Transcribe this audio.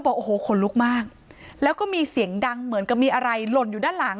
บอกโอ้โหขนลุกมากแล้วก็มีเสียงดังเหมือนกับมีอะไรหล่นอยู่ด้านหลัง